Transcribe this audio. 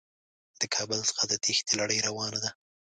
د کابل څخه د تېښتې لړۍ روانه ده.